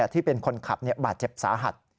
ที่เป็นคนขับบาดเจ็บสาหัส